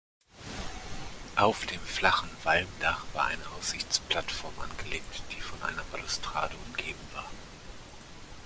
Auf dem flachen Walmdach war eine Aussichtsplattform angelegt, die von einer Balustrade umgeben war.